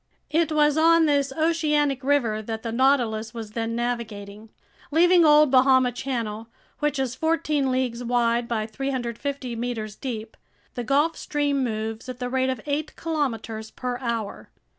It was on this oceanic river that the Nautilus was then navigating. Leaving Old Bahama Channel, which is fourteen leagues wide by 350 meters deep, the Gulf Stream moves at the rate of eight kilometers per hour.